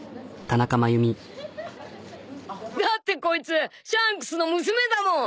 だってこいつシャンクスの娘だもん。